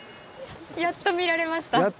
やっと見られました。